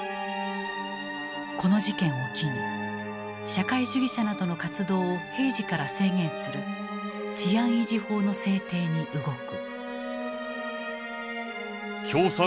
この事件を機に社会主義者などの活動を平時から制限する「治安維持法」の制定に動く。